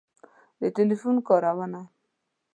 د ټیلیفون کارونه